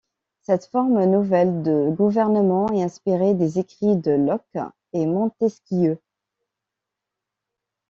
Cette forme nouvelle de gouvernement est inspirée des écrits de Locke et Montesquieu.